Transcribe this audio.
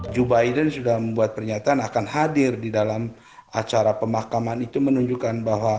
joe biden sudah membuat pernyataan akan hadir di dalam acara pemakaman itu menunjukkan bahwa